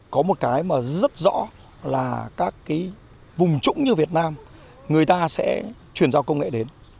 có một cái mà rất rõ là các cái vùng trũng như việt nam người ta sẽ chuyển giao công nghệ đến